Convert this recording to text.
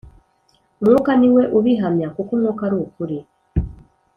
Umwuka ni We ubihamya, kuko Umwuka ari ukuri.